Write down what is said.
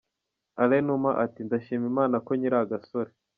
Alain Numa ati 'Ndashima Imana ko nkiri agasore'.